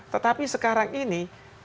tetapi sekarang ini